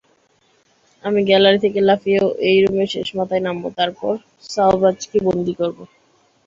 আমি গ্যালারি থেকে লাফিয়ে এই রুমের শেষ মাথায় নামবো, তারপর সাওভ্যাজকে বন্দী করব।